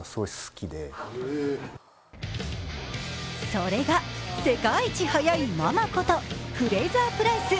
それが、世界一速いママことフレーザー・プライス。